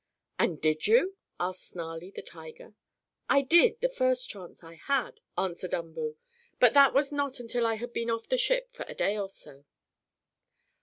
"And did you?" asked Snarlie, the tiger. "I did, the first chance I had," answered Umboo. "But that was not until I had been off the ship for a day or so."